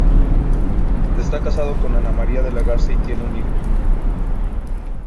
Está casado con Ana María de la Garza y tiene un hijo.